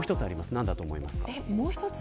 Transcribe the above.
何だと思いますか。